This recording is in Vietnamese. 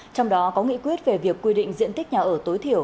trong đó có nghị quyết về việc quy định diện tích nhà ở tối thiểu